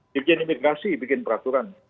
dirjen imigrasi bikin peraturan